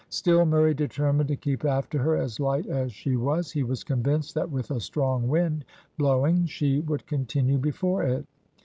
Still Murray determined to keep after her as light as she was; he was convinced that with a strong wind blowing she would continue before it.